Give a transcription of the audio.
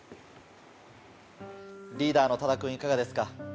リーダーの多田君いかがですか？